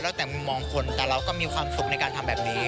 แล้วแต่มุมมองคนแต่เราก็มีความสุขในการทำแบบนี้